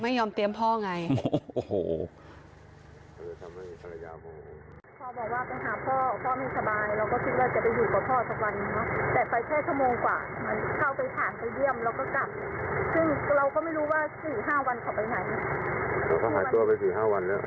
ไม่ยอมเตรียมพ่อไงโอ้โฮ